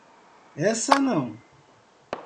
Essa não!